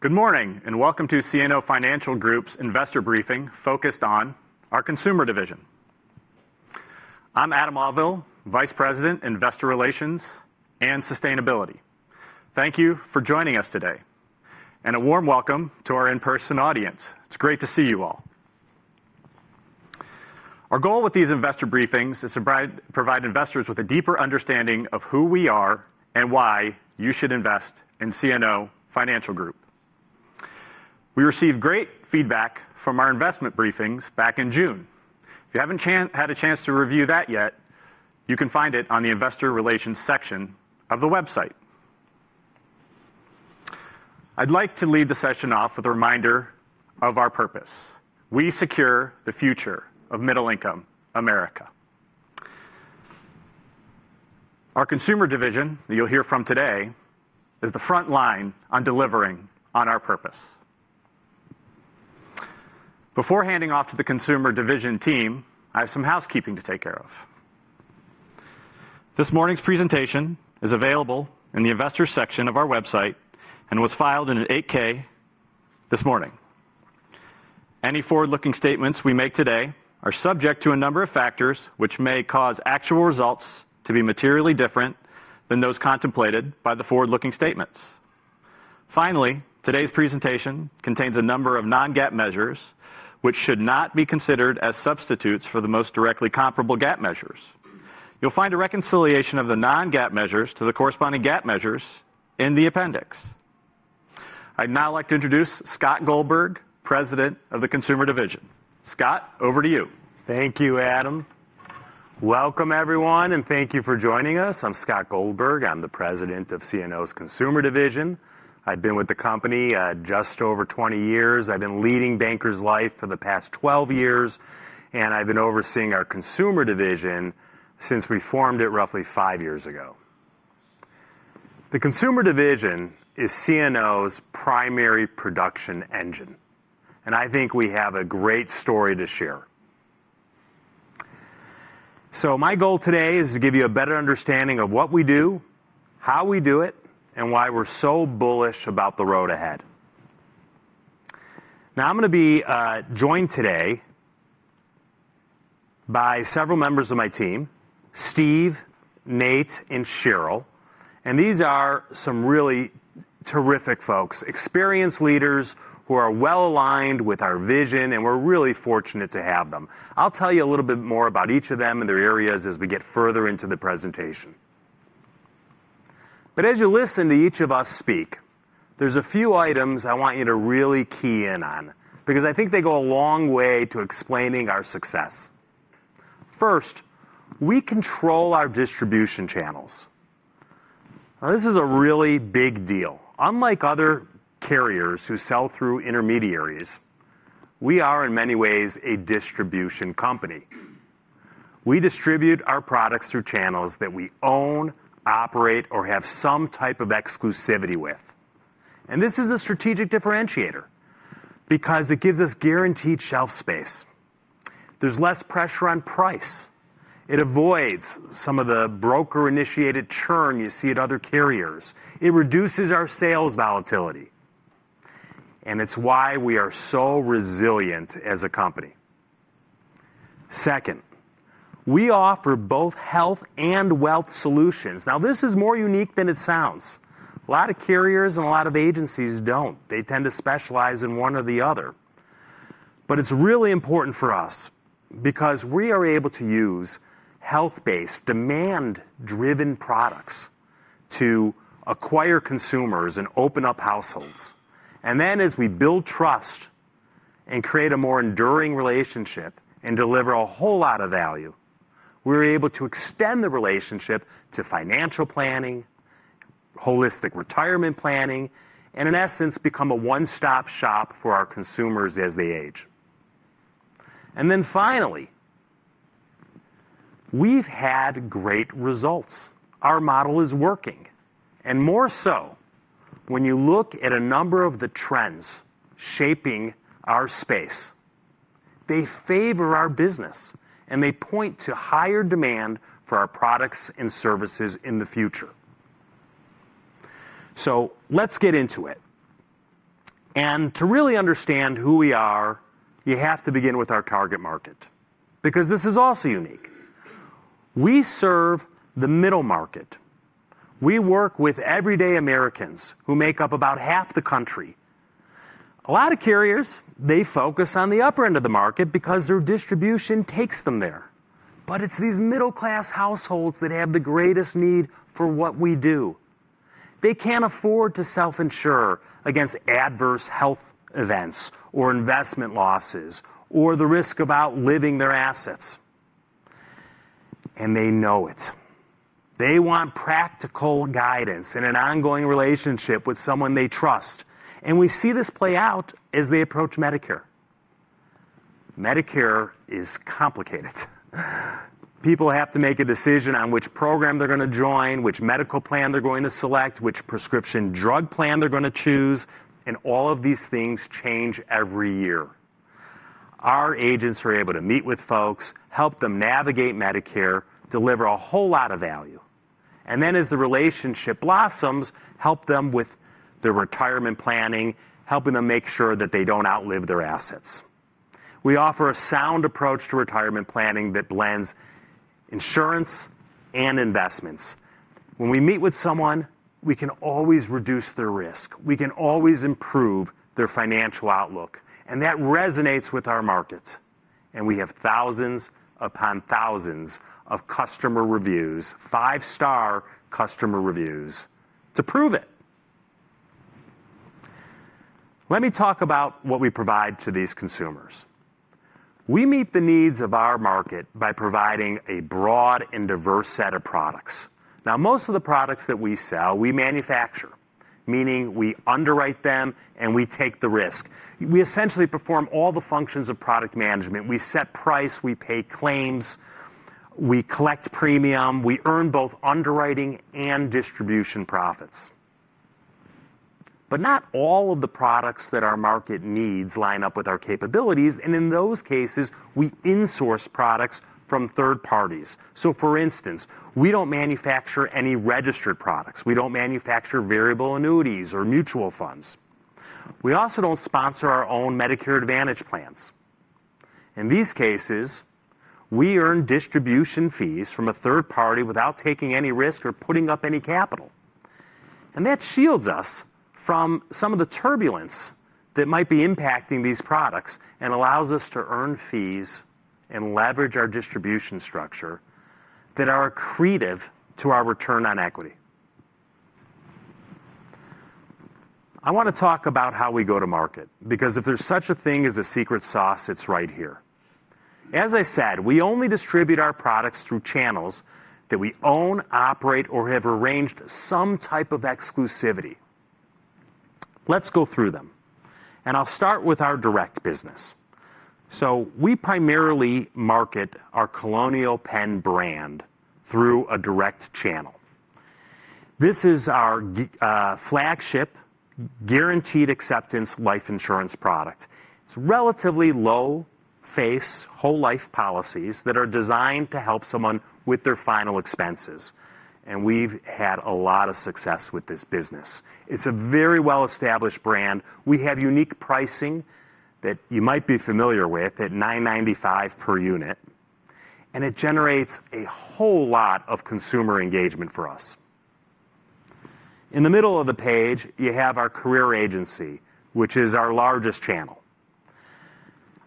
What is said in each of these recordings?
Good morning and welcome to CNO Financial Group's Investor Briefing focused on our Consumer Division. I'm Adam Auvil, Vice President, Investor Relations and Sustainability. Thank you for joining us today, and a warm welcome to our in-person audience. It's great to see you all. Our goal with these Investor Briefings is to provide investors with a deeper understanding of who we are and why you should invest in CNO Financial Group. We received great feedback from our Investor Briefings back in June. If you haven't had a chance to review that yet, you can find it on the Investor Relations section of the website. I'd like to lead the session off with a reminder of our purpose. We secure the future of middle-income America. Our Consumer Division, you'll hear from today, is the front line on delivering on our purpose. Before handing off to the Consumer Division team, I have some housekeeping to take care of. This morning's presentation is available in the Investors section of our website and was filed in an 8-K this morning. Any forward-looking statements we make today are subject to a number of factors which may cause actual results to be materially different than those contemplated by the forward-looking statements. Finally, today's presentation contains a number of non-GAAP measures which should not be considered as substitutes for the most directly comparable GAAP measures. You'll find a reconciliation of the non-GAAP measures to the corresponding GAAP measures in the appendix. I'd now like to introduce Scott Goldberg, President of the Consumer Division. Scott, over to you. Thank you, Adam. Welcome, everyone, and thank you for joining us. I'm Scott Goldberg. I'm the President of CNO's Consumer Division. I've been with the company just over 20 years. I've been leading Bankers Life for the past 12 years, and I've been overseeing our Consumer Division since we formed it roughly five years ago. The Consumer Division is CNO's primary production engine, and I think we have a great story to share. My goal today is to give you a better understanding of what we do, how we do it, and why we're so bullish about the road ahead. I'm going to be joined today by several members of my team: Steve, Nate, and Cheryl. These are some really terrific folks, experienced leaders who are well aligned with our vision, and we're really fortunate to have them. I'll tell you a little bit more about each of them and their areas as we get further into the presentation. As you listen to each of us speak, there's a few items I want you to really key in on because I think they go a long way to explaining our success. First, we control our distribution channels. This is a really big deal. Unlike other carriers who sell through intermediaries, we are, in many ways, a distribution company. We distribute our products through channels that we own, operate, or have some type of exclusivity with. This is a strategic differentiator because it gives us guaranteed shelf space. There's less pressure on price. It avoids some of the broker-initiated churn you see at other carriers. It reduces our sales volatility, and it's why we are so resilient as a company. Second, we offer both health and wealth solutions. This is more unique than it sounds. A lot of carriers and a lot of agencies don't. They tend to specialize in one or the other. It's really important for us because we are able to use health-based, demand-driven products to acquire consumers and open up households. Then, as we build trust and create a more enduring relationship and deliver a whole lot of value, we're able to extend the relationship to financial planning, holistic retirement planning, and, in essence, become a one-stop shop for our consumers as they age. Finally, we've had great results. Our model is working, and more so when you look at a number of the trends shaping our space. They favor our business, and they point to higher demand for our products and services in the future. Let's get into it. To really understand who we are, you have to begin with our target market because this is also unique. We serve the middle market. We work with everyday Americans who make up about half the country. A lot of carriers focus on the upper end of the market because their distribution takes them there. These middle-class households have the greatest need for what we do. They can't afford to self-insure against adverse health events or investment losses or the risk of outliving their assets, and they know it. They want practical guidance and an ongoing relationship with someone they trust. We see this play out as they approach Medicare. Medicare is complicated. People have to make a decision on which program they're going to join, which medical plan they're going to select, which prescription drug plan they're going to choose. All of these things change every year. Our agents are able to meet with folks, help them navigate Medicare, deliver a whole lot of value, and as the relationship blossoms, help them with their retirement planning, helping them make sure that they don't outlive their assets. We offer a sound approach to retirement planning that blends insurance and investments. When we meet with someone, we can always reduce their risk. We can always improve their financial outlook. That resonates with our markets. We have thousands upon thousands of customer reviews, five-star customer reviews to prove it. Let me talk about what we provide to these consumers. We meet the needs of our market by providing a broad and diverse set of products. Most of the products that we sell, we manufacture, meaning we underwrite them and we take the risk. We essentially perform all the functions of product management. We set price, we pay claims, we collect premium, we earn both underwriting and distribution profits. Not all of the products that our market needs line up with our capabilities. In those cases, we insource products from third parties. For instance, we don't manufacture any registered products. We don't manufacture variable annuities or mutual funds. We also don't sponsor our own Medicare Advantage plans. In these cases, we earn distribution fees from a third party without taking any risk or putting up any capital. That shields us from some of the turbulence that might be impacting these products and allows us to earn fees and leverage our distribution structure that are accretive to our return on equity. I want to talk about how we go to market because if there's such a thing as a secret sauce, it's right here. As I said, we only distribute our products through channels that we own, operate, or have arranged some type of exclusivity. Let's go through them. I'll start with our direct business. We primarily market our Colonial Penn brand through a direct channel. This is our flagship guaranteed acceptance life insurance product. It's relatively low-face whole life policies that are designed to help someone with their final expenses. We've had a lot of success with this business. It's a very well-established brand. We have unique pricing that you might be familiar with at $9.95 per unit. It generates a whole lot of consumer engagement for us. In the middle of the page, you have our career agency, which is our largest channel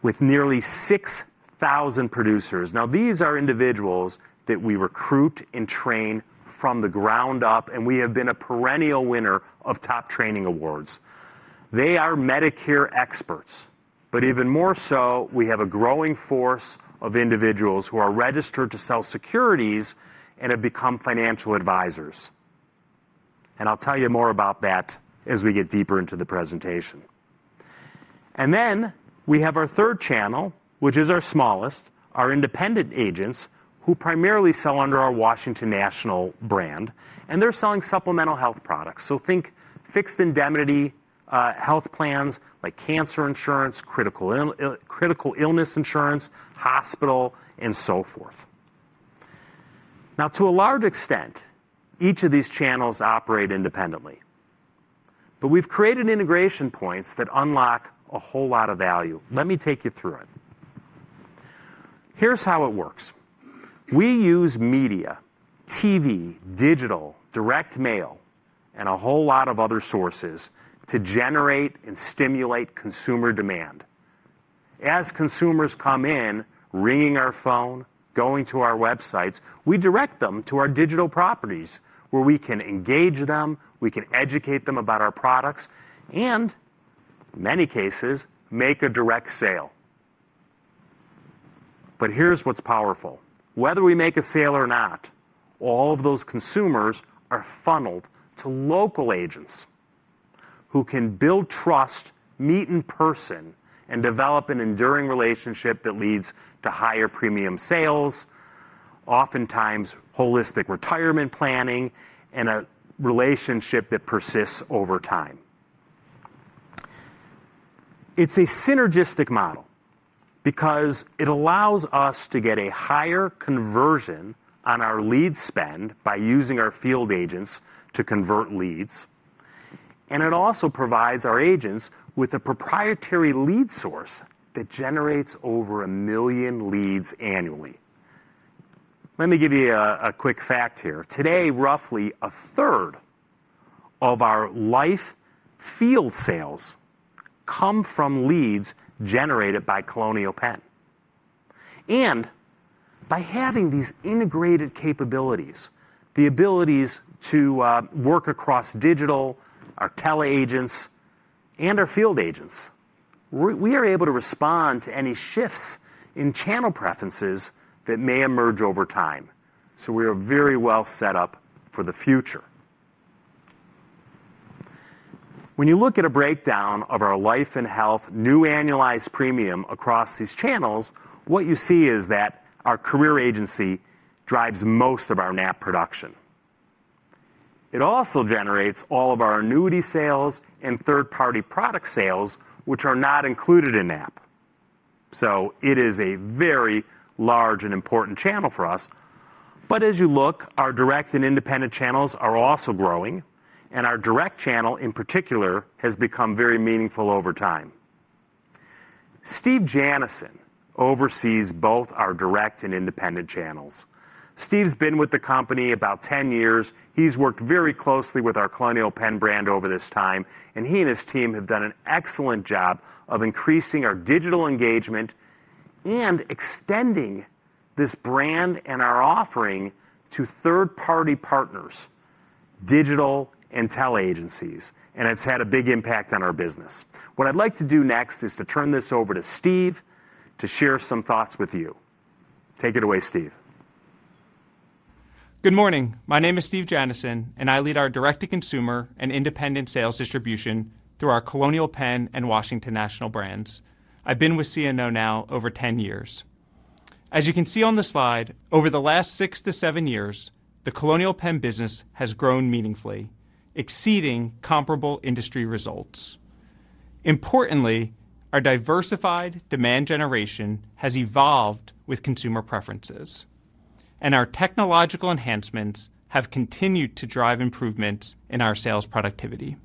with nearly 6,000 producers. These are individuals that we recruit and train from the ground up, and we have been a perennial winner of top training awards. They are Medicare experts. Even more so, we have a growing force of individuals who are registered to sell securities and have become financial advisors. I'll tell you more about that as we get deeper into the presentation. We have our third channel, which is our smallest, our independent agents who primarily sell under our Washington National brand. They're selling supplemental health products. Think fixed indemnity health plans like cancer insurance, critical illness insurance, hospital, and so forth. To a large extent, each of these channels operate independently. We've created integration points that unlock a whole lot of value. Let me take you through it. Here's how it works. We use media, TV, digital, direct mail, and a whole lot of other sources to generate and stimulate consumer demand. As consumers come in, ringing our phone, going to our websites, we direct them to our digital properties where we can engage them, we can educate them about our products, and in many cases, make a direct sale. Here's what's powerful. Whether we make a sale or not, all of those consumers are funneled to local agents who can build trust, meet in person, and develop an enduring relationship that leads to higher premium sales, oftentimes holistic retirement planning, and a relationship that persists over time. It's a synergistic model because it allows us to get a higher conversion on our lead spend by using our field agents to convert leads. It also provides our agents with a proprietary lead source that generates over a million leads annually. Let me give you a quick fact here. Today, roughly a third of our life field sales come from leads generated by Colonial Penn. By having these integrated capabilities, the abilities to work across digital, our teleagents, and our field agents, we are able to respond to any shifts in channel preferences that may emerge over time. We are very well set up for the future. When you look at a breakdown of our life and health new annualized premium across these channels, what you see is that our career agency drives most of our NAP production. It also generates all of our annuity sales and third-party product sales, which are not included in NAP. It is a very large and important channel for us. As you look, our direct and independent channels are also growing, and our direct channel, in particular, has become very meaningful over time. Steve Janison oversees both our direct and independent channels. Steve's been with the company about 10 years. He's worked very closely with our Colonial Penn brand over this time, and he and his team have done an excellent job of increasing our digital engagement and extending this brand and our offering to third-party partners, digital and teleagencies. It's had a big impact on our business. What I'd like to do next is to turn this over to Steve to share some thoughts with you. Take it away, Steve. Good morning. My name is Steve Janison, and I lead our direct-to-consumer and independent sales distribution through our Colonial Penn and Washington National brands. I've been with CNO now over 10 years. As you can see on the slide, over the last six to seven years, the Colonial Penn business has grown meaningfully, exceeding comparable industry results. Importantly, our diversified demand generation has evolved with consumer preferences, and our technological enhancements have continued to drive improvements in our sales productivity.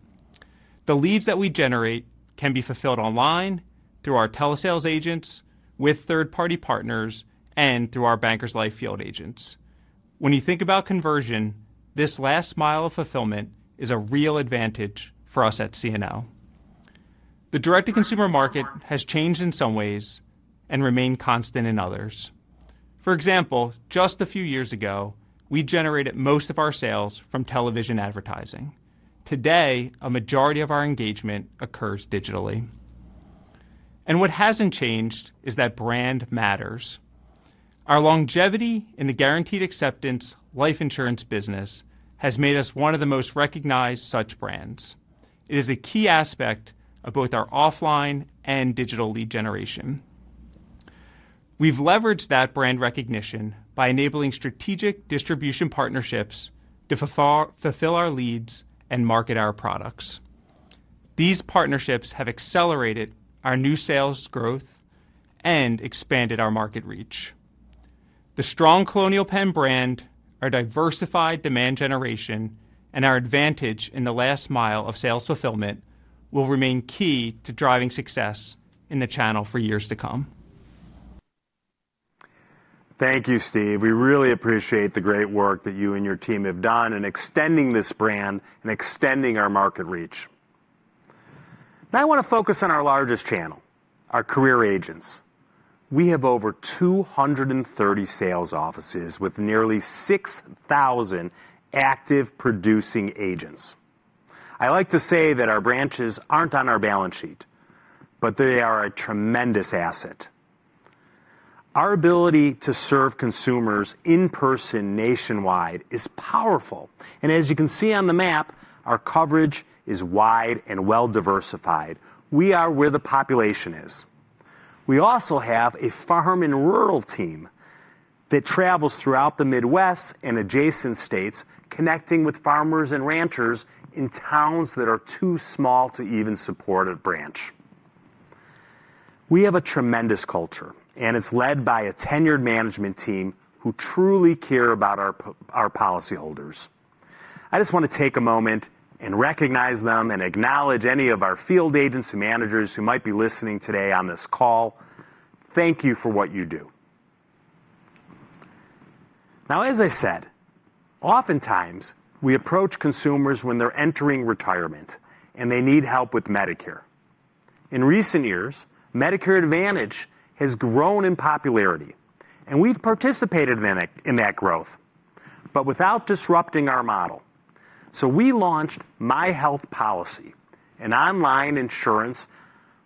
The leads that we generate can be fulfilled online, through our telesales agents, with third-party partners, and through our Bankers Life field agents. When you think about conversion, this last mile of fulfillment is a real advantage for us at CNO. The direct-to-consumer market has changed in some ways and remained constant in others. For example, just a few years ago, we generated most of our sales from television advertising. Today, a majority of our engagement occurs digitally. What hasn't changed is that brand matters. Our longevity in the guaranteed acceptance life insurance business has made us one of the most recognized such brands. It is a key aspect of both our offline and digital lead generation. We've leveraged that brand recognition by enabling strategic distribution partnerships to fulfill our leads and market our products. These partnerships have accelerated our new sales growth and expanded our market reach. The strong Colonial Penn brand, our diversified demand generation, and our advantage in the last mile of sales fulfillment will remain key to driving success in the channel for years to come. Thank you, Steve. We really appreciate the great work that you and your team have done in extending this brand and extending our market reach. Now, I want to focus on our largest channel, our career agents. We have over 230 sales offices with nearly 6,000 active producing agents. I like to say that our branches aren't on our balance sheet, but they are a tremendous asset. Our ability to serve consumers in person nationwide is powerful. As you can see on the map, our coverage is wide and well diversified. We are where the population is. We also have a farm and rural team that travels throughout the Midwest and adjacent states, connecting with farmers and ranchers in towns that are too small to even support a branch. We have a tremendous culture, and it's led by a tenured management team who truly care about our policyholders. I just want to take a moment and recognize them and acknowledge any of our field agents and managers who might be listening today on this call. Thank you for what you do. Now, as I said, oftentimes we approach consumers when they're entering retirement and they need help with Medicare. In recent years, Medicare Advantage has grown in popularity, and we've participated in that growth, but without disrupting our model. We launched myHealthPolicy.com, an online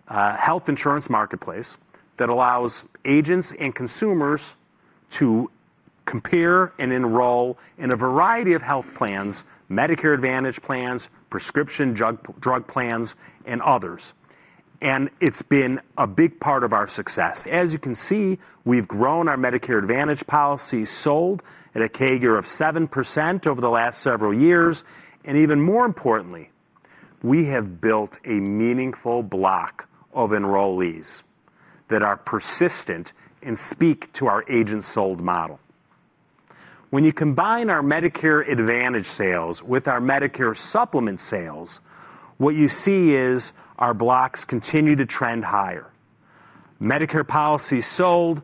health insurance marketplace that allows agents and consumers to compare and enroll in a variety of health plans, Medicare Advantage plans, prescription drug plans, and others. It's been a big part of our success. As you can see, we've grown our Medicare Advantage policy sold at a CAGR of 7% over the last several years. Even more importantly, we have built a meaningful block of enrollees that are persistent and speak to our agent sold model. When you combine our Medicare Advantage sales with our Medicare supplement sales, what you see is our blocks continue to trend higher. Medicare policies sold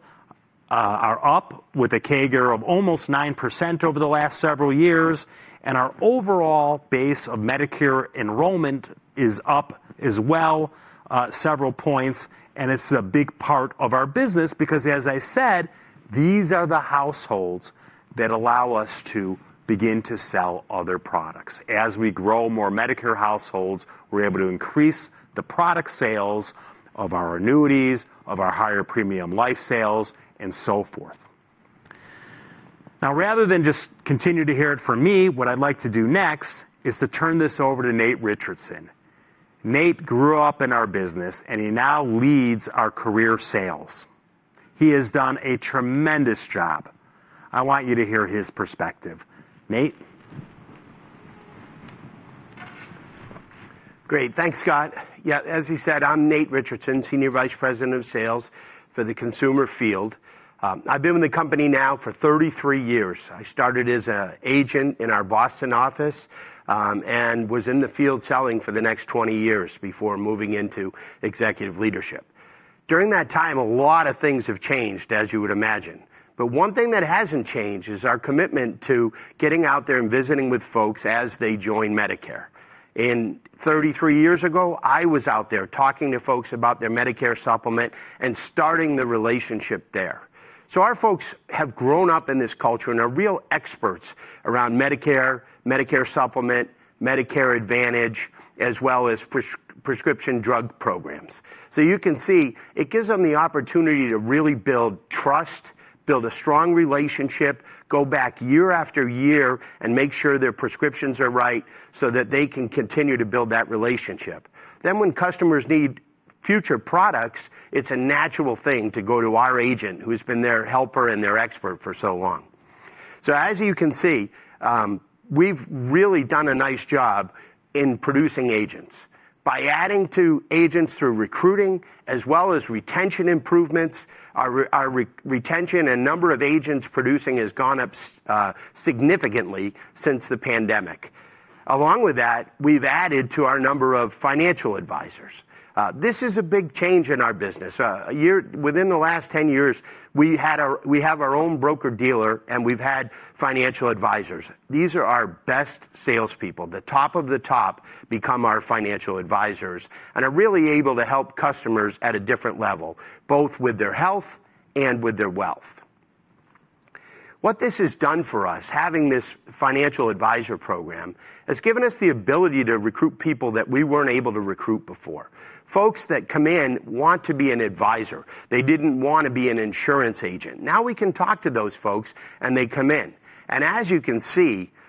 are up with a CAGR of almost 9% over the last several years, and our overall base of Medicare enrollment is up as well, several points. It's a big part of our business because, as I said, these are the households that allow us to begin to sell other products. As we grow more Medicare households, we're able to increase the product sales of our annuities, of our higher premium life sales, and so forth. Now, rather than just continue to hear it from me, what I'd like to do next is to turn this over to Nate Richardson. Nate grew up in our business, and he now leads our career sales. He has done a tremendous job. I want you to hear his perspective. Nate. Great. Thanks, Scott. Yeah, as he said, I'm Nate Richardson, Senior Vice President of Sales for the Consumer Field. I've been with the company now for 33 years. I started as an agent in our Boston office and was in the field selling for the next 20 years before moving into executive leadership. During that time, a lot of things have changed, as you would imagine. One thing that hasn't changed is our commitment to getting out there and visiting with folks as they join Medicare. Thirty-three years ago, I was out there talking to folks about their Medicare supplement and starting the relationship there. Our folks have grown up in this culture and are real experts around Medicare, Medicare supplement, Medicare Advantage, as well as prescription drug programs. You can see it gives them the opportunity to really build trust, build a strong relationship, go back year after year, and make sure their prescriptions are right so that they can continue to build that relationship. When customers need future products, it's a natural thing to go to our agent who's been their helper and their expert for so long. You can see we've really done a nice job in producing agents. By adding to agents through recruiting, as well as retention improvements, our retention and number of agents producing has gone up significantly since the pandemic. Along with that, we've added to our number of financial advisors. This is a big change in our business. Within the last 10 years, we have our own broker-dealer, and we've had financial advisors. These are our best salespeople. The top of the top become our financial advisors and are really able to help customers at a different level, both with their health and with their wealth. What this has done for us, having this financial advisor program, has given us the ability to recruit people that we weren't able to recruit before. Folks that come in want to be an advisor. They didn't want to be an insurance agent. Now we can talk to those folks, and they come in.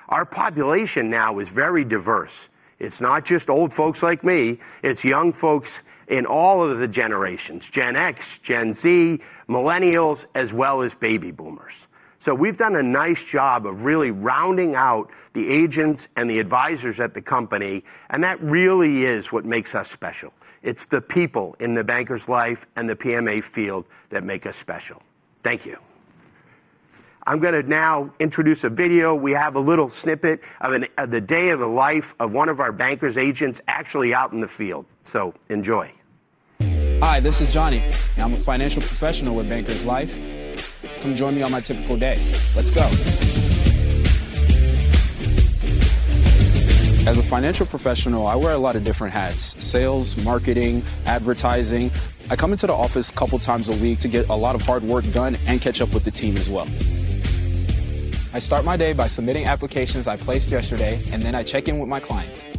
Our population now is very diverse. It's not just old folks like me. It's young folks in all of the generations: Gen X, Gen Z, Millennials, as well as Baby Boomers. We've done a nice job of really rounding out the agents and the advisors at the company, and that really is what makes us special. It's the people in the Bankers Life and the PMA field that make us special. Thank you. I'm going to now introduce a video. We have a little snippet of the day of the life of one of our Bankers agents actually out in the field. Enjoy. Hi, this is Johnny. I'm a financial professional with Bankers Life. Come join me on my typical day. Let's go. As a financial professional, I wear a lot of different hats: sales, marketing, advertising. I come into the office a couple of times a week to get a lot of hard work done and catch up with the team as well. I start my day by submitting applications I placed yesterday, and then I check in with my clients.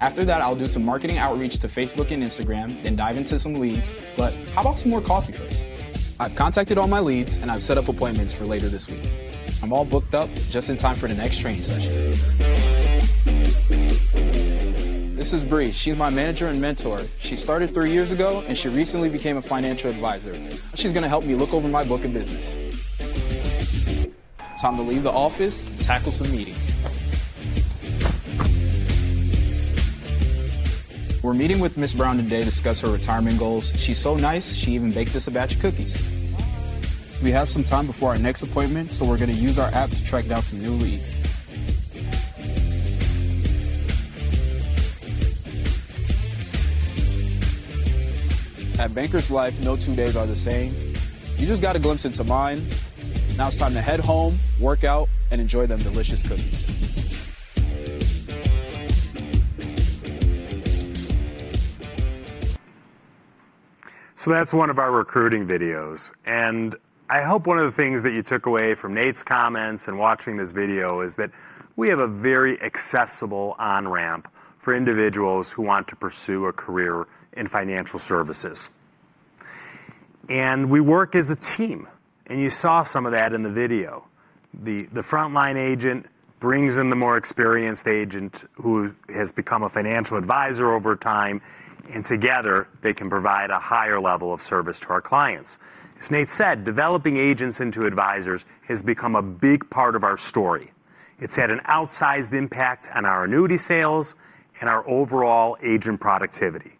After that, I'll do some marketing outreach to Facebook and Instagram, then dive into some leads. How about some more coffee first? I've contacted all my leads, and I've set up appointments for later this week. I'm all booked up just in time for the next training. This is Bree. She's my Manager and mentor. She started three years ago, and she recently became a financial advisor. She's going to help me look over my book of business. Time to leave the office, tackle some meetings. We're meeting with Ms. Brown today to discuss her retirement goals. She's so nice, she even baked us a batch of cookies. We have some time before our next appointment, so we're going to use our app to track down some new leads. At Bankers Life, no two days are the same. You just got a glimpse into mine. Now it's time to head home, work out, and enjoy them delicious cookies. That's one of our recruiting videos. I hope one of the things that you took away from Nate's comments and watching this video is that we have a very accessible on-ramp for individuals who want to pursue a career in financial services. We work as a team, and you saw some of that in the video. The frontline agent brings in the more experienced agent who has become a financial advisor over time, and together they can provide a higher level of service to our clients. As Nate said, developing agents into advisors has become a big part of our story. It's had an outsized impact on our annuity sales and our overall agent productivity.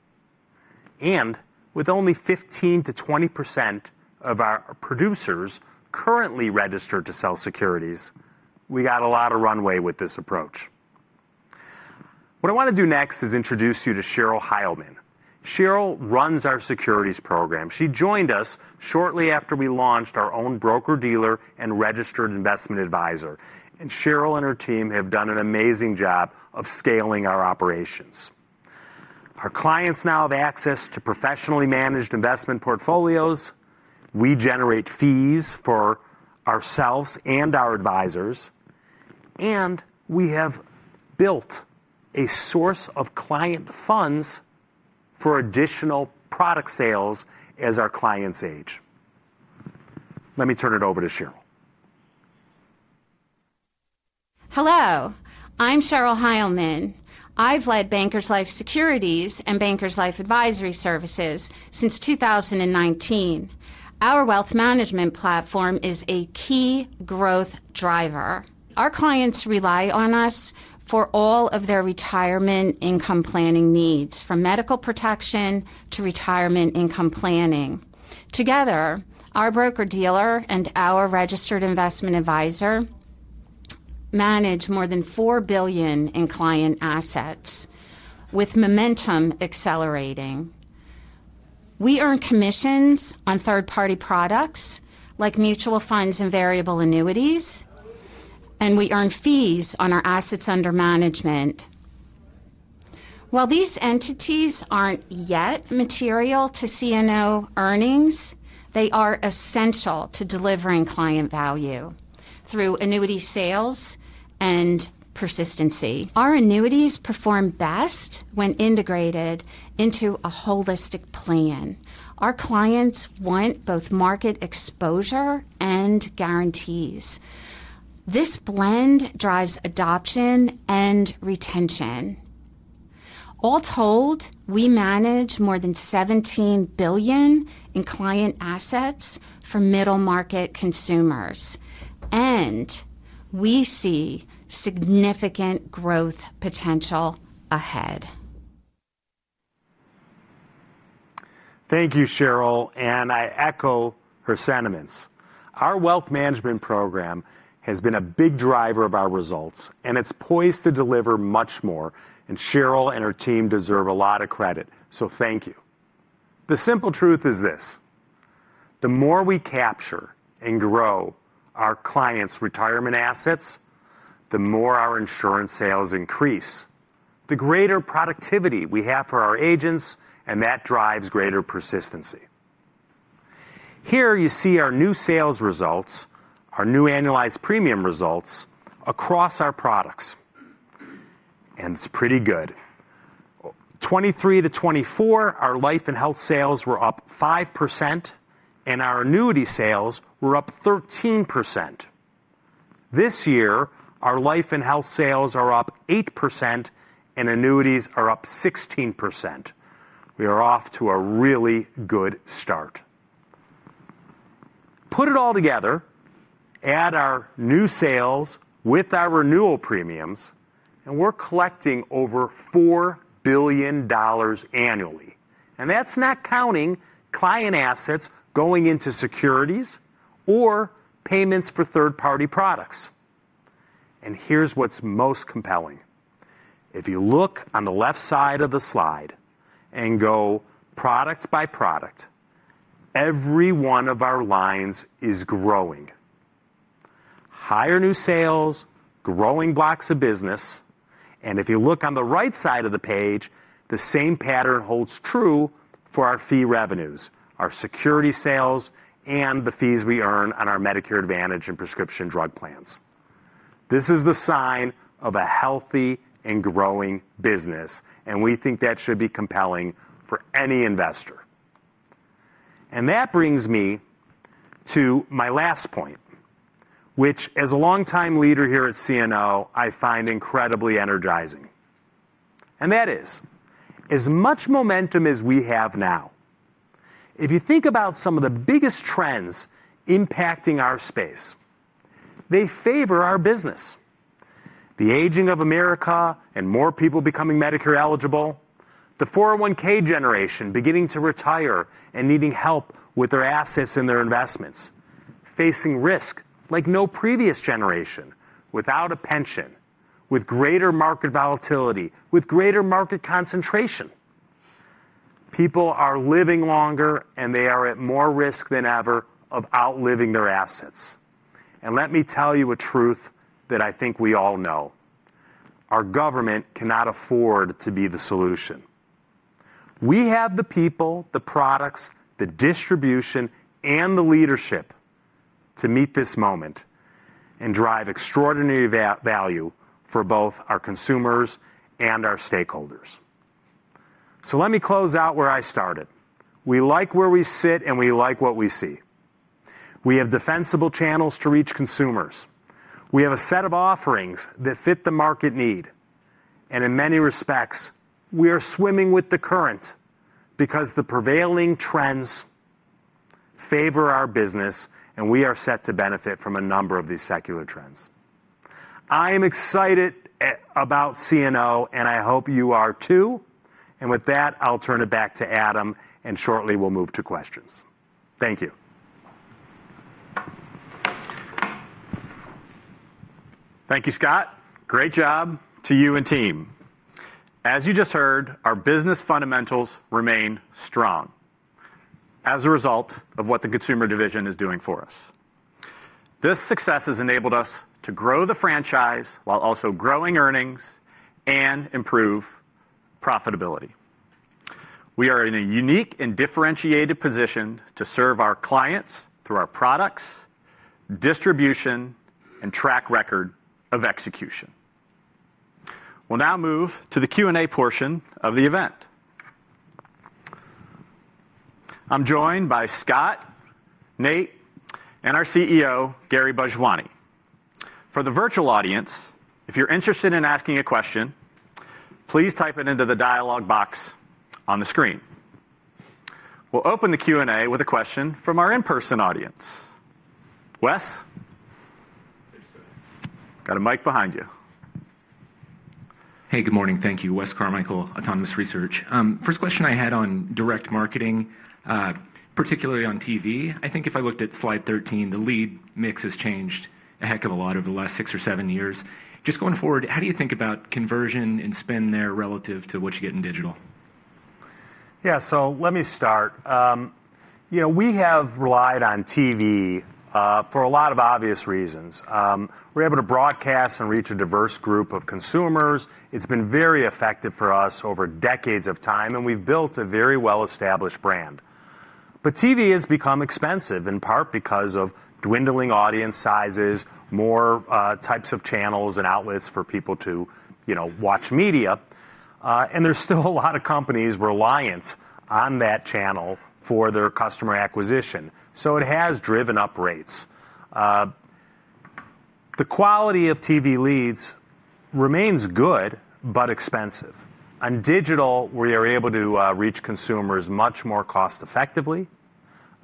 With only 15% to 20% of our producers currently registered to sell securities, we got a lot of runway with this approach. What I want to do next is introduce you to Cheryl Heilman. Cheryl runs our securities program. She joined us shortly after we launched our own broker-dealer and registered investment advisor. Cheryl and her team have done an amazing job of scaling our operations. Our clients now have access to professionally managed investment portfolios. We generate fees for ourselves and our advisors, and we have built a source of client funds for additional product sales as our clients age. Let me turn it over to Cheryl. Hello. I'm Cheryl Heilman. I've led Bankers Life Securities and Bankers Life Advisory Services since 2019. Our wealth management platform is a key growth driver. Our clients rely on us for all of their retirement income planning needs, from medical protection to retirement income planning. Together, our broker-dealer and our registered investment advisor manage more than $4 billion in client assets, with momentum accelerating. We earn commissions on third-party products like mutual funds and variable annuities, and we earn fees on our assets under management. While these entities aren't yet material to CNO earnings, they are essential to delivering client value through annuity sales and persistency. Our annuities perform best when integrated into a holistic plan. Our clients want both market exposure and guarantees. This blend drives adoption and retention. All told, we manage more than $17 billion in client assets for middle-market consumers, and we see significant growth potential ahead. Thank you, Cheryl, and I echo her sentiments. Our wealth management program has been a big driver of our results, and it's poised to deliver much more. Cheryl and her team deserve a lot of credit, so thank you. The simple truth is this: the more we capture and grow our clients' retirement assets, the more our insurance sales increase, the greater productivity we have for our agents, and that drives greater persistency. Here you see our new sales results, our new annualized premium results across our products, and it's pretty good. 2023 to 2024, our life and health sales were up 5%, and our annuity sales were up 13%. This year, our life and health sales are up 8%, and annuities are up 16%. We are off to a really good start. Put it all together, add our new sales with our renewal premiums, and we're collecting over $4 billion annually. That's not counting client assets going into securities or payments for third-party products. Here's what's most compelling. If you look on the left side of the slide and go product by product, every one of our lines is growing. Higher new sales, growing blocks of business. If you look on the right side of the page, the same pattern holds true for our fee revenues, our security sales, and the fees we earn on our Medicare Advantage and prescription drug plans. This is the sign of a healthy and growing business, and we think that should be compelling for any investor. That brings me to my last point, which, as a longtime leader here at CNO Financial Group, I find incredibly energizing. As much momentum as we have now, if you think about some of the biggest trends impacting our space, they favor our business. The aging of America and more people becoming Medicare eligible, the 401(k) generation beginning to retire and needing help with their assets and their investments, facing risk like no previous generation without a pension, with greater market volatility, with greater market concentration. People are living longer, and they are at more risk than ever of outliving their assets. Let me tell you a truth that I think we all know. Our government cannot afford to be the solution. We have the people, the products, the distribution, and the leadership to meet this moment and drive extraordinary value for both our consumers and our stakeholders. Let me close out where I started. We like where we sit, and we like what we see. We have defensible channels to reach consumers. We have a set of offerings that fit the market need. In many respects, we are swimming with the current because the prevailing trends favor our business, and we are set to benefit from a number of these secular trends. I am excited about CNO Financial Group, and I hope you are too. With that, I'll turn it back to Adam, and shortly we'll move to questions. Thank you. Thank you, Scott. Great job to you and team. As you just heard, our business fundamentals remain strong as a result of what the Consumer Division is doing for us. This success has enabled us to grow the franchise while also growing earnings and improving profitability. We are in a unique and differentiated position to serve our clients through our products, distribution, and track record of execution. We'll now move to the Q&A portion of the event. I'm joined by Scott, Nate, and our CEO, Gary Bhojwani. For the virtual audience, if you're interested in asking a question, please type it into the dialog box on the screen. We'll open the Q&A with a question from our in-person audience. Wes? Got a mic behind you. Hey, good morning. Thank you. Wes Carmichael, Autonomous Research. First question I had on direct marketing, particularly on TV. I think if I looked at slide 13, the lead mix has changed a heck of a lot over the last six or seven years. Just going forward, how do you think about conversion and spend there relative to what you get in digital? Yeah, so let me start. You know, we have relied on TV for a lot of obvious reasons. We're able to broadcast and reach a diverse group of consumers. It's been very effective for us over decades of time, and we've built a very well-established brand. TV has become expensive in part because of dwindling audience sizes, more types of channels and outlets for people to watch media. There's still a lot of companies reliant on that channel for their customer acquisition, so it has driven up rates. The quality of TV leads remains good but expensive. On digital, we are able to reach consumers much more cost-effectively.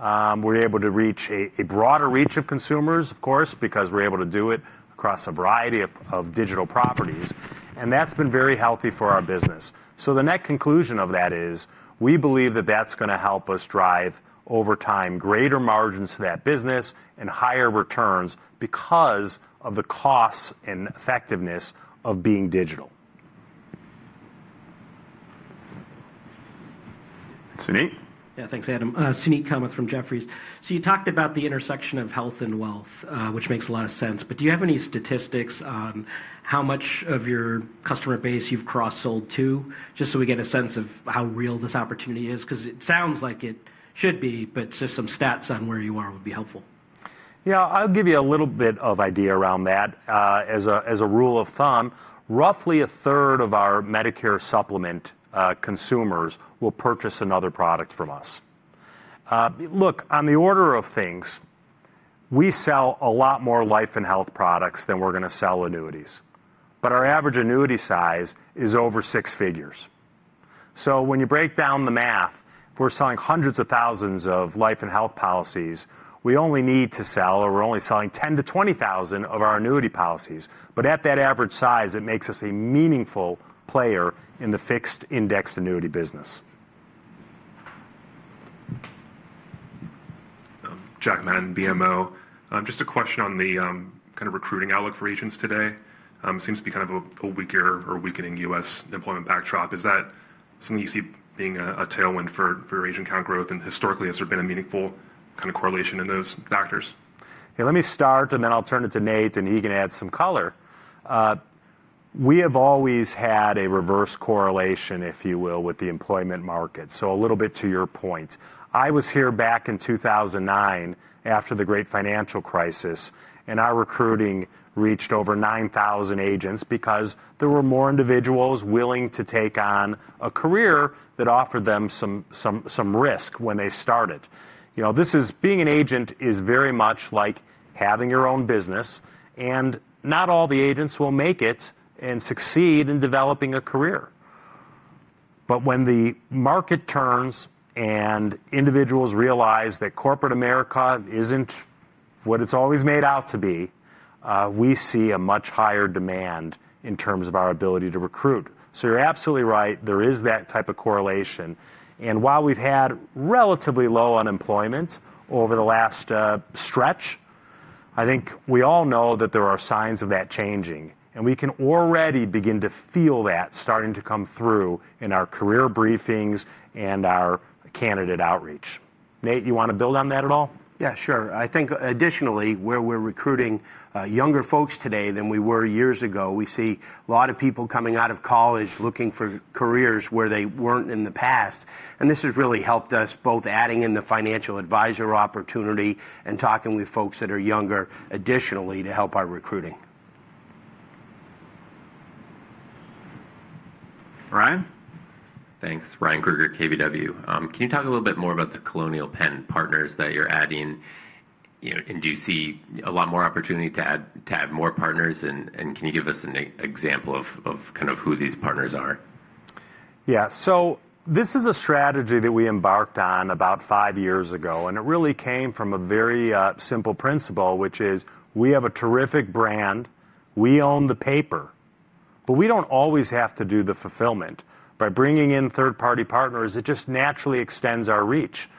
We're able to reach a broader reach of consumers, of course, because we're able to do it across a variety of digital properties. That's been very healthy for our business. The net conclusion of that is we believe that that's going to help us drive, over time, greater margins to that business and higher returns because of the costs and effectiveness of being digital. That's Suneet? Yeah, thanks, Adam. Suneet Kamath from Jefferies. You talked about the intersection of health and wealth, which makes a lot of sense. Do you have any statistics on how much of your customer base you've cross-sold to, just so we get a sense of how real this opportunity is? It sounds like it should be, but just some stats on where you are would be helpful. Yeah, I'll give you a little bit of idea around that. As a rule of thumb, roughly a third of our Medicare supplement consumers will purchase another product from us. On the order of things, we sell a lot more life and health products than we're going to sell annuities. Our average annuity size is over $100,000. When you break down the math, we're selling hundreds of thousands of life and health policies. We only need to sell, or we're only selling 10,000 to 20,000 of our annuity policies. At that average size, it makes us a meaningful player in the fixed index annuity business. Just a question on the kind of recruiting outlook for agents today. It seems to be kind of a weaker or weakening U.S. employment backdrop. Is that something you see being a tailwind for your agent count growth? Historically, has there been a meaningful kind of correlation in those factors? Hey, let me start, and then I'll turn it to Nate, and he can add some color. We have always had a reverse correlation, if you will, with the employment market. A little bit to your point, I was here back in 2009 after the great financial crisis, and our recruiting reached over 9,000 agents because there were more individuals willing to take on a career that offered them some risk when they started. You know, being an agent is very much like having your own business, and not all the agents will make it and succeed in developing a career. When the market turns and individuals realize that corporate America isn't what it's always made out to be, we see a much higher demand in terms of our ability to recruit. You're absolutely right, there is that type of correlation. While we've had relatively low unemployment over the last stretch, I think we all know that there are signs of that changing. We can already begin to feel that starting to come through in our career briefings and our candidate outreach. Nate, you want to build on that at all? Yeah, sure. I think additionally, where we're recruiting younger folks today than we were years ago, we see a lot of people coming out of college looking for careers where they weren't in the past. This has really helped us, both adding in the financial advisor opportunity and talking with folks that are younger, additionally to help our recruiting. Ryan? Thanks. Ryan Krueger, KBW. Can you talk a little bit more about the Colonial Penn partners that you're adding? Do you see a lot more opportunity to add more partners? Can you give us an example of kind of who these partners are? Yeah, this is a strategy that we embarked on about five years ago, and it really came from a very simple principle, which is we have a terrific brand. We own the paper, but we don't always have to do the fulfillment. By bringing in third-party partners, it just naturally extends our reach.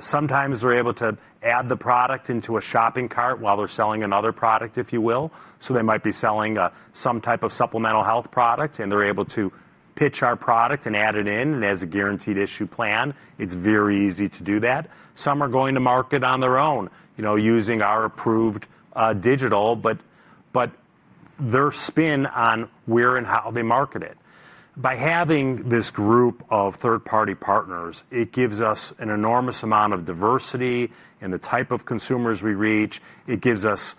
Sometimes we're able to add the product into a shopping cart while they're selling another product, if you will. They might be selling some type of supplemental health product, and they're able to pitch our product and add it in as a guaranteed issue plan. It's very easy to do that. Some are going to market on their own, you know, using our approved digital, but their spin on where and how they market it. By having this group of third-party partners, it gives us an enormous amount of diversity in the type of consumers we reach. It gives us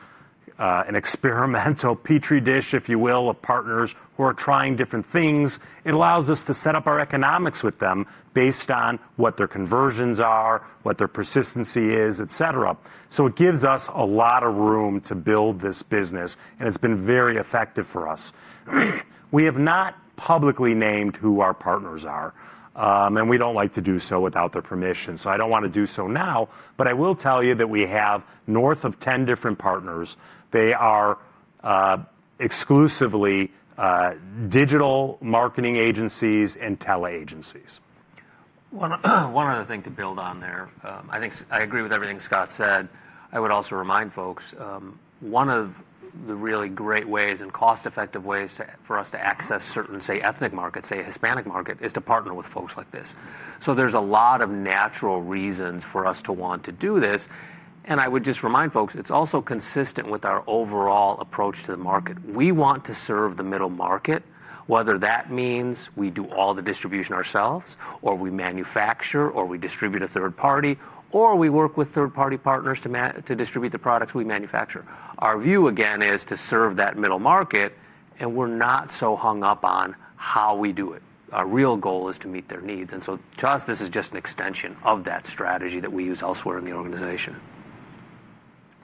an experimental petri dish, if you will, of partners who are trying different things. It allows us to set up our economics with them based on what their conversions are, what their persistency is, et cetera. It gives us a lot of room to build this business, and it's been very effective for us. We have not publicly named who our partners are, and we don't like to do so without their permission. I don't want to do so now, but I will tell you that we have north of 10 different partners. They are exclusively digital marketing agencies and teleagencies. One other thing to build on there, I think I agree with everything Scott said. I would also remind folks, one of the really great ways and cost-effective ways for us to access certain, say, ethnic markets, say a Hispanic market, is to partner with folks like this. There are a lot of natural reasons for us to want to do this. I would just remind folks, it's also consistent with our overall approach to the market. We want to serve the middle market, whether that means we do all the distribution ourselves, or we manufacture, or we distribute a third party, or we work with third-party partners to distribute the products we manufacture. Our view, again, is to serve that middle market, and we're not so hung up on how we do it. Our real goal is to meet their needs. To us, this is just an extension of that strategy that we use elsewhere in the organization.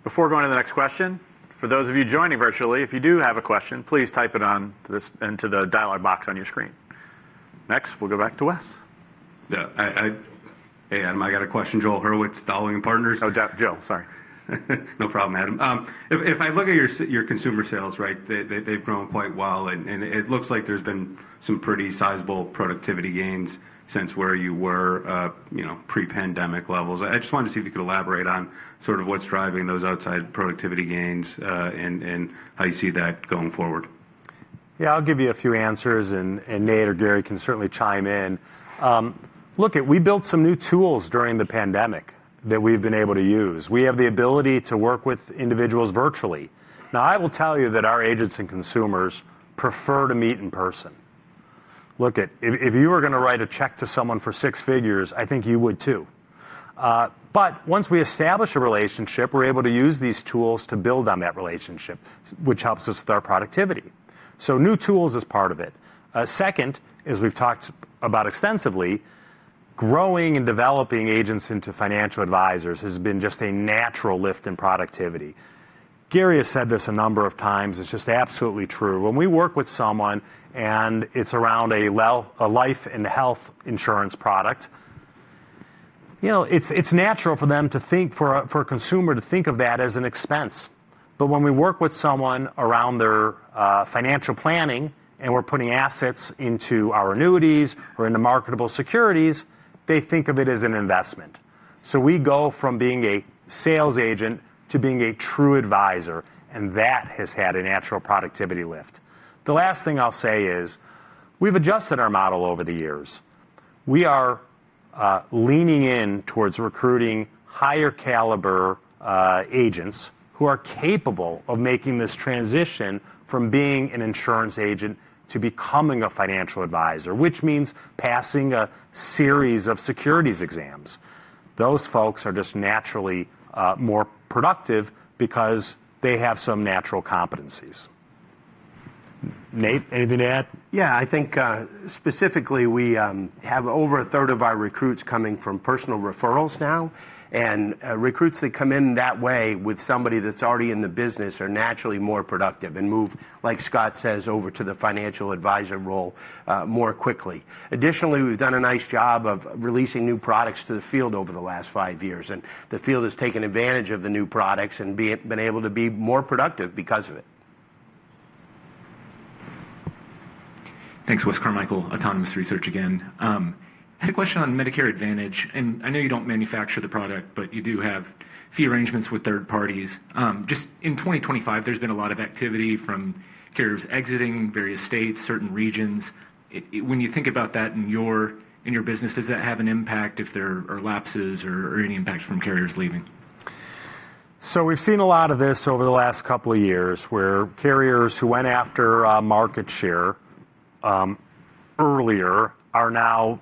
Before going to the next question, for those of you joining virtually, if you do have a question, please type it into the dialog box on your screen. Next, we'll go back to Wes. Yeah, hey, Adam, I got a question. Joel Herwitz, Dolly & Partners. Oh, Joel, sorry. No problem, Adam. If I look at your consumer sales, they've grown quite well, and it looks like there's been some pretty sizable productivity gains since where you were pre-pandemic levels. I just wanted to see if you could elaborate on sort of what's driving those outside productivity gains and how you see that going forward. Yeah, I'll give you a few answers, and Nate or Gary can certainly chime in. Look, we built some new tools during the pandemic that we've been able to use. We have the ability to work with individuals virtually. Now, I will tell you that our agents and consumers prefer to meet in person. Look, if you were going to write a check to someone for six figures, I think you would too. Once we establish a relationship, we're able to use these tools to build on that relationship, which helps us with our productivity. New tools is part of it. Second, as we've talked about extensively, growing and developing agents into financial advisors has been just a natural lift in productivity. Gary has said this a number of times. It's just absolutely true. When we work with someone and it's around a life and health insurance product, it's natural for a consumer to think of that as an expense. When we work with someone around their financial planning and we're putting assets into our annuities or into marketable securities, they think of it as an investment. We go from being a sales agent to being a true advisor, and that has had a natural productivity lift. The last thing I'll say is we've adjusted our model over the years. We are leaning in towards recruiting higher caliber agents who are capable of making this transition from being an insurance agent to becoming a financial advisor, which means passing a series of securities exams. Those folks are just naturally more productive because they have some natural competencies. Nate, anything to add? I think specifically we have over a third of our recruits coming from personal referrals now. Recruits that come in that way with somebody that's already in the business are naturally more productive and move, like Scott says, over to the financial advisor role more quickly. Additionally, we've done a nice job of releasing new products to the field over the last five years, and the field has taken advantage of the new products and been able to be more productive because of it. Thanks, Wes Carmichael, Autonomous Research again. I had a question on Medicare Advantage. I know you don't manufacture the product, but you do have fee arrangements with third parties. In 2025, there's been a lot of activity from carriers exiting various states, certain regions. When you think about that in your business, does that have an impact if there are lapses or any impacts from carriers leaving? We have seen a lot of this over the last couple of years where carriers who went after market share earlier are now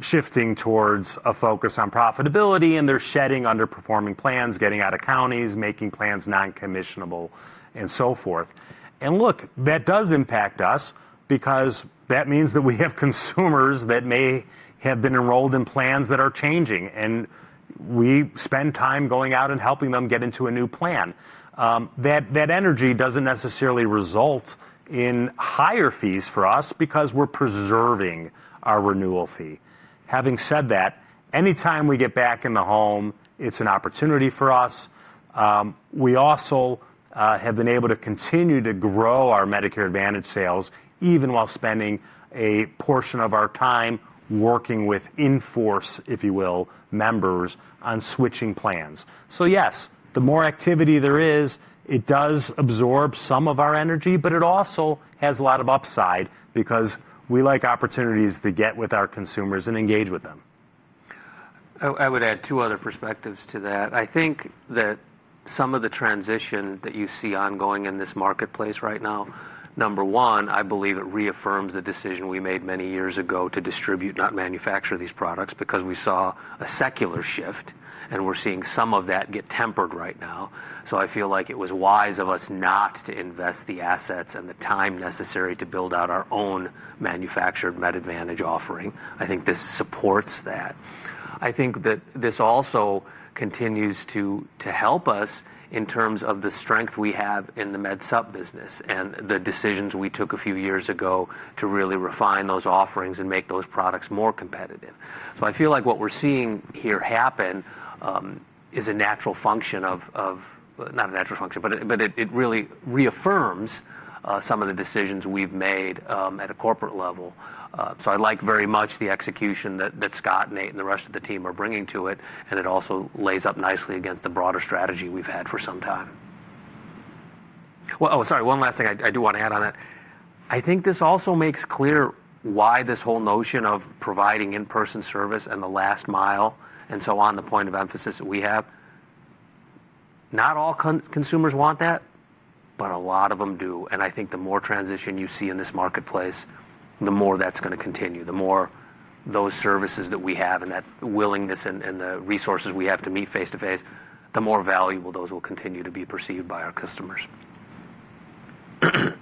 shifting towards a focus on profitability, and they're shedding underperforming plans, getting out of counties, making plans non-commissionable, and so forth. That does impact us because that means that we have consumers that may have been enrolled in plans that are changing, and we spend time going out and helping them get into a new plan. That energy doesn't necessarily result in higher fees for us because we're preserving our renewal fee. Having said that, anytime we get back in the home, it's an opportunity for us. We also have been able to continue to grow our Medicare Advantage sales even while spending a portion of our time working with in-force, if you will, members on switching plans. Yes, the more activity there is, it does absorb some of our energy, but it also has a lot of upside because we like opportunities to get with our consumers and engage with them. I would add two other perspectives to that. I think that some of the transition that you see ongoing in this marketplace right now, number one, I believe it reaffirms a decision we made many years ago to distribute, not manufacture, these products because we saw a secular shift, and we're seeing some of that get tempered right now. I feel like it was wise of us not to invest the assets and the time necessary to build out our own manufactured Medicare Advantage offering. I think this supports that. I think that this also continues to help us in terms of the strength we have in the Medicare supplement business and the decisions we took a few years ago to really refine those offerings and make those products more competitive. I feel like what we're seeing here happen is a natural function of, not a natural function, but it really reaffirms some of the decisions we've made at a corporate level. I like very much the execution that Scott, Nate, and the rest of the team are bringing to it, and it also lays up nicely against the broader strategy we've had for some time. Oh, sorry, one last thing I do want to add on that. I think this also makes clear why this whole notion of providing in-person service and the last mile and so on the point of emphasis that we have, not all consumers want that, but a lot of them do. I think the more transition you see in this marketplace, the more that's going to continue. The more those services that we have and that willingness and the resources we have to meet face-to-face, the more valuable those will continue to be perceived by our customers.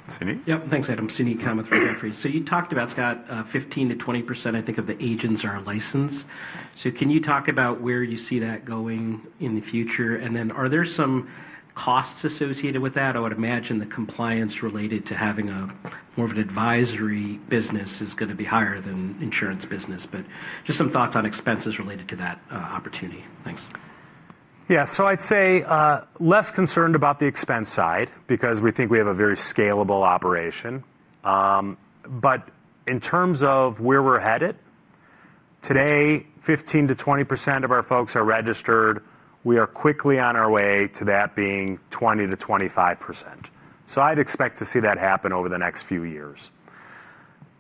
Suneet? Thanks, Adam. Suneet Kamath from McGovern Free. You talked about, Scott, 15% to 20%, I think, of the agents are licensed. Can you talk about where you see that going in the future? Are there some costs associated with that? I would imagine the compliance related to having more of an advisory business is going to be higher than insurance business. Just some thoughts on expenses related to that opportunity. Thanks. Yeah, so I'd say less concerned about the expense side because we think we have a very scalable operation. In terms of where we're headed, today, 15% to 20% of our folks are registered. We are quickly on our way to that being 20% to 25%. I'd expect to see that happen over the next few years.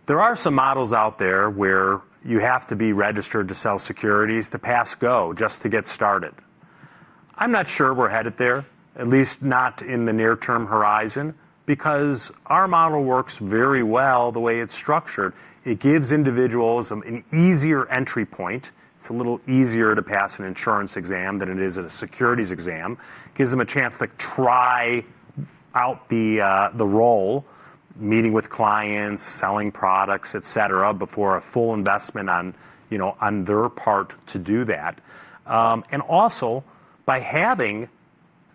There are some models out there where you have to be registered to sell securities to pass go, just to get started. I'm not sure we're headed there, at least not in the near-term horizon, because our model works very well the way it's structured. It gives individuals an easier entry point. It's a little easier to pass an insurance exam than it is a securities exam. It gives them a chance to try out the role, meeting with clients, selling products, et cetera, before a full investment on their part to do that. Also, by having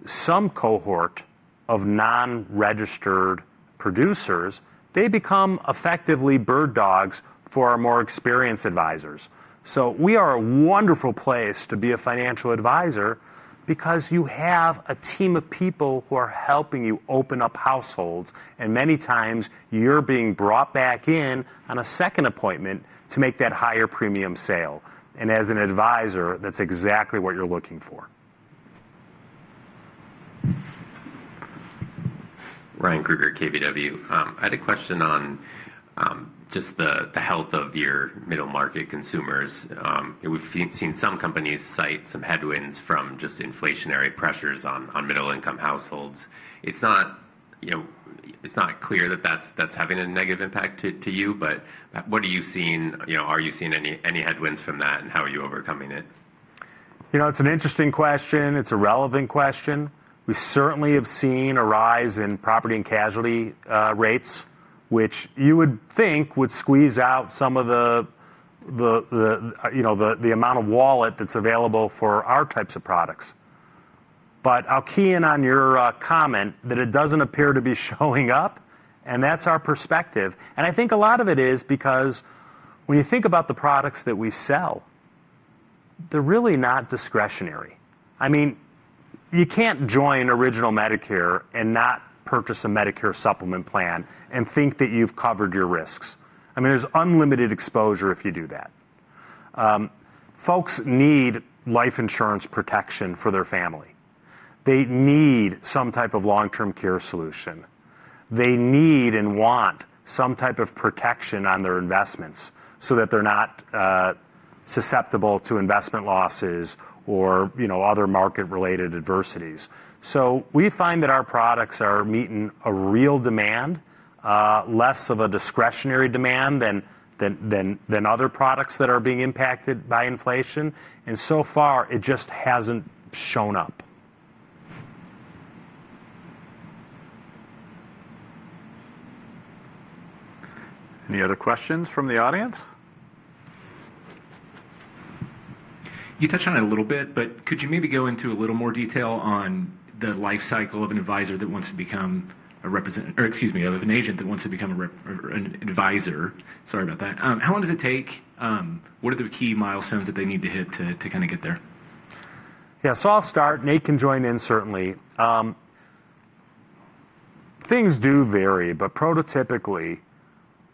some cohort of non-registered producers, they become effectively bird dogs for our more experienced advisors. We are a wonderful place to be a financial advisor because you have a team of people who are helping you open up households, and many times you're being brought back in on a second appointment to make that higher premium sale. As an advisor, that's exactly what you're looking for. I had a question on just the health of your middle-market consumers. We've seen some companies cite some headwinds from just inflationary pressures on middle-income households. It's not clear that that's having a negative impact to you, but what are you seeing? Are you seeing any headwinds from that, and how are you overcoming it? You know, it's an interesting question. It's a relevant question. We certainly have seen a rise in property and casualty rates, which you would think would squeeze out some of the amount of wallet that's available for our types of products. I'll key in on your comment that it doesn't appear to be showing up, and that's our perspective. I think a lot of it is because when you think about the products that we sell, they're really not discretionary. I mean, you can't join Original Medicare and not purchase a Medicare supplement plan and think that you've covered your risks. There's unlimited exposure if you do that. Folks need life insurance protection for their family. They need some type of long-term care solution. They need and want some type of protection on their investments so that they're not susceptible to investment losses or other market-related adversities. We find that our products are meeting a real demand, less of a discretionary demand than other products that are being impacted by inflation. So far, it just hasn't shown up. Any other questions from the audience? You touched on it a little bit, but could you maybe go into a little more detail on the life cycle of an advisor that wants to become a representative, or of an agent that wants to become an advisor? Sorry about that. How long does it take? What are the key milestones that they need to hit to kind of get there? Yeah, I'll start. Nate can join in, certainly. Things do vary, but prototypically,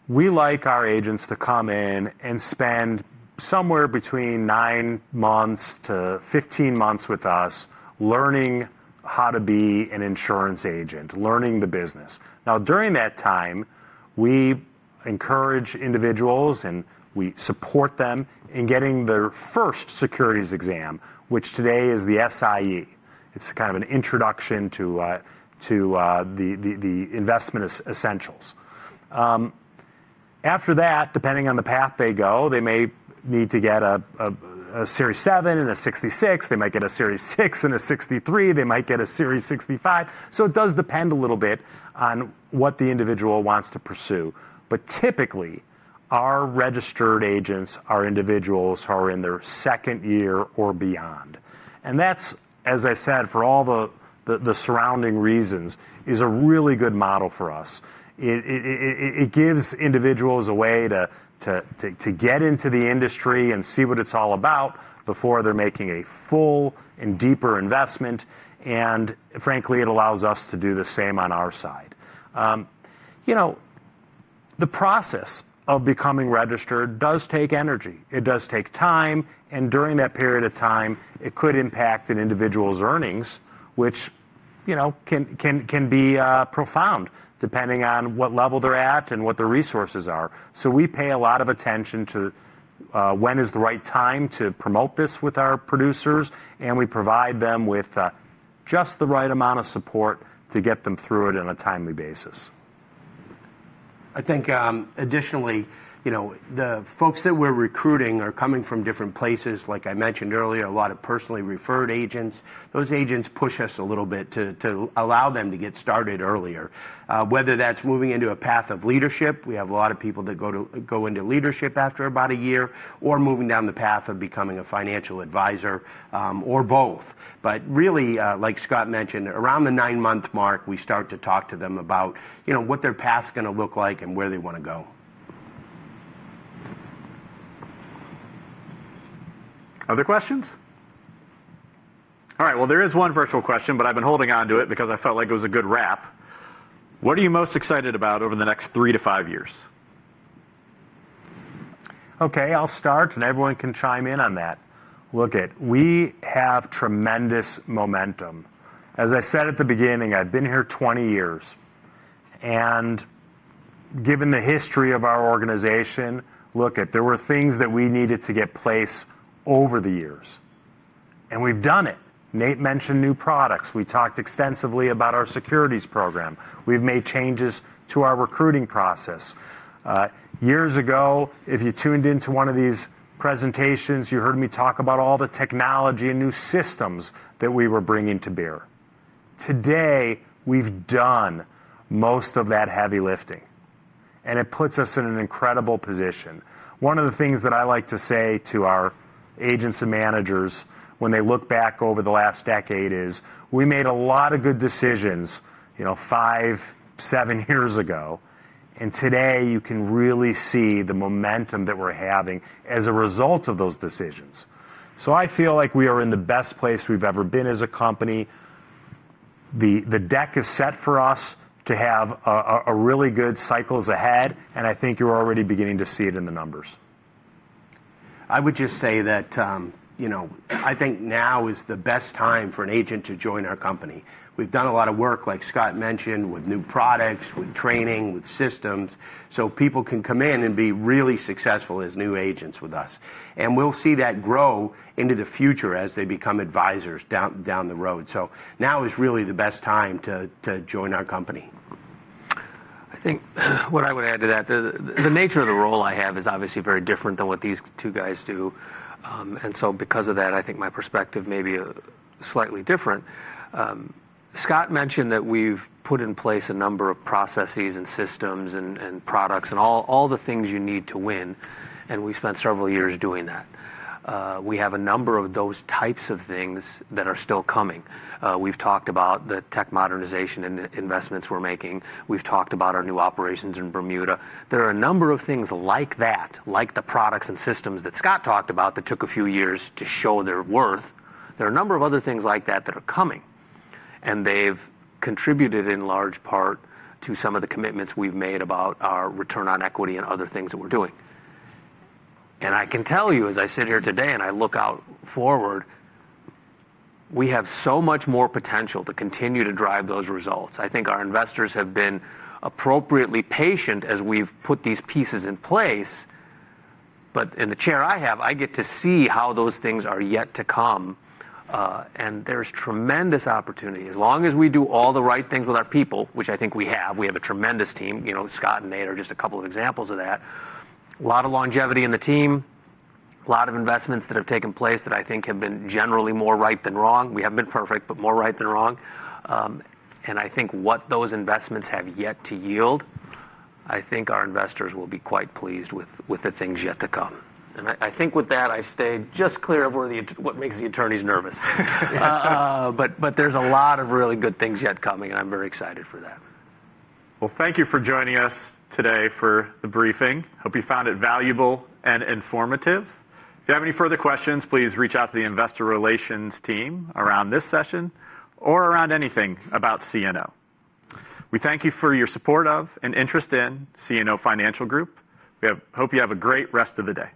we like our agents to come in and spend somewhere between nine months to 15 months with us learning how to be an insurance agent, learning the business. During that time, we encourage individuals and we support them in getting their first securities exam, which today is the SIE. It's kind of an introduction to the investment essentials. After that, depending on the path they go, they may need to get a Series 7 and a 66. They might get a Series 6 and a 63. They might get a Series 65. It does depend a little bit on what the individual wants to pursue. Typically, our registered agents are individuals who are in their second year or beyond. As I said, for all the surrounding reasons, it is a really good model for us. It gives individuals a way to get into the industry and see what it's all about before they're making a full and deeper investment. Frankly, it allows us to do the same on our side. The process of becoming registered does take energy. It does take time. During that period of time, it could impact an individual's earnings, which can be profound depending on what level they're at and what their resources are. We pay a lot of attention to when is the right time to promote this with our producers, and we provide them with just the right amount of support to get them through it on a timely basis. I think additionally, the folks that we're recruiting are coming from different places. Like I mentioned earlier, a lot of personally referred agents. Those agents push us a little bit to allow them to get started earlier, whether that's moving into a path of leadership. We have a lot of people that go into leadership after about a year, or moving down the path of becoming a financial advisor, or both. Like Scott mentioned, around the nine-month mark, we start to talk to them about what their path's going to look like and where they want to go. Other questions? All right, there is one virtual question, but I've been holding on to it because I felt like it was a good wrap. What are you most excited about over the next three to five years? Okay, I'll start, and everyone can chime in on that. Look, we have tremendous momentum. As I said at the beginning, I've been here 20 years. Given the history of our organization, there were things that we needed to get placed over the years, and we've done it. Nate mentioned new products. We talked extensively about our securities program. We've made changes to our recruiting process. Years ago, if you tuned into one of these presentations, you heard me talk about all the technology and new systems that we were bringing to bear. Today, we've done most of that heavy lifting, and it puts us in an incredible position. One of the things that I like to say to our agents and managers when they look back over the last decade is we made a lot of good decisions, you know, five, seven years ago. Today, you can really see the momentum that we're having as a result of those decisions. I feel like we are in the best place we've ever been as a company. The deck is set for us to have really good cycles ahead, and I think you're already beginning to see it in the numbers. I would just say that I think now is the best time for an agent to join our company. We've done a lot of work, like Scott mentioned, with new products, with training, with systems. People can come in and be really successful as new agents with us. We'll see that grow into the future as they become advisors down the road. Now is really the best time to join our company. I think what I would add to that, the nature of the role I have is obviously very different than what these two guys do. Because of that, I think my perspective may be slightly different. Scott mentioned that we've put in place a number of processes and systems and products and all the things you need to win. We've spent several years doing that. We have a number of those types of things that are still coming. We've talked about the tech modernization and investments we're making. We've talked about our new operations in Bermuda. There are a number of things like that, like the products and systems that Scott talked about that took a few years to show their worth. There are a number of other things like that that are coming. They've contributed in large part to some of the commitments we've made about our return on equity and other things that we're doing. I can tell you, as I sit here today and I look out forward, we have so much more potential to continue to drive those results. I think our investors have been appropriately patient as we've put these pieces in place. In the chair I have, I get to see how those things are yet to come. There's tremendous opportunity. As long as we do all the right things with our people, which I think we have, we have a tremendous team. Scott and Nate are just a couple of examples of that. A lot of longevity in the team, a lot of investments that have taken place that I think have been generally more right than wrong. We haven't been perfect, but more right than wrong. I think what those investments have yet to yield, I think our investors will be quite pleased with the things yet to come. I think with that, I stay just clear of what makes the attorneys nervous. There's a lot of really good things yet coming, and I'm very excited for that. Thank you for joining us today for the briefing. Hope you found it valuable and informative. If you have any further questions, please reach out to the Investor Relations team around this session or around anything about CNO. We thank you for your support of and interest in CNO Financial Group. We hope you have a great rest of the day.